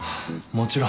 もちろん。